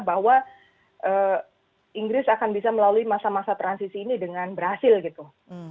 bahwa inggris akan bisa melalui masa masa transisi ini dengan berhasil gitu